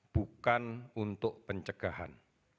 bukan untuk pencegahan